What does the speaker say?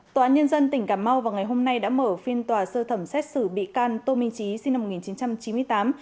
tòa án nhân dân tỉnh cà mau vào ngày hôm nay đã mở phiên tòa sơ thẩm xét xử bị can tô minh trí sinh năm một nghìn chín trăm chín mươi tám